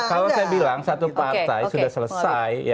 kalau saya bilang satu partai sudah selesai